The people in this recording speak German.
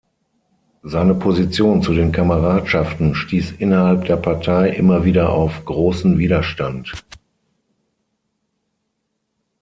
Seine Position zu den Kameradschaften stieß innerhalb der Partei immer wieder auf großen Widerstand.